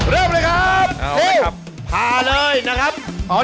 เริ่มเลยครับพาเลยนะครับ